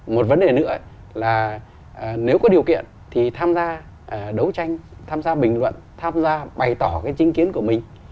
một vấn đề nữa là nếu có điều kiện thì tham gia đấu tranh tham gia bình luận tham gia bày tỏ cái trinh kiến của mình